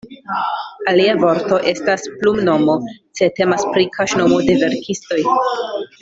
Alia vorto estas "plumnomo", se temas pri kaŝnomo de verkistoj.